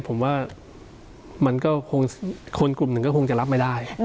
ผมว่าคนกลุ่มหนึ่งก็คงจะรับไม่ได้